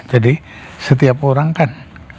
jadi setiap orang kan